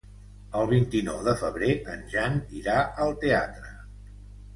El vint-i-nou de febrer en Jan irà al teatre.